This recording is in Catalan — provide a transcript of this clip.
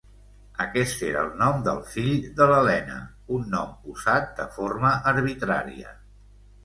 Aquest era el nom del fill de l’Elena; un nom usat de forma arbitrària.